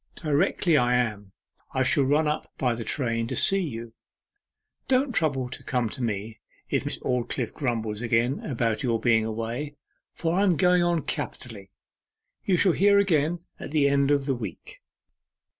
Directly I am I shall run up by the train to see you. Don't trouble to come to me if Miss Aldclyffe grumbles again about your being away, for I am going on capitally.... You shall hear again at the end of the week.